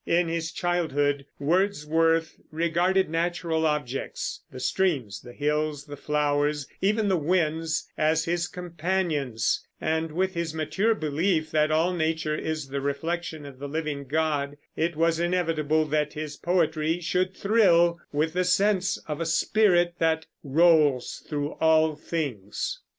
In his childhood Wordsworth regarded natural objects, the streams, the hills, the flowers, even the winds, as his companions; and with his mature belief that all nature is the reflection of the living God, it was inevitable that his poetry should thrill with the sense of a Spirit that "rolls through all things."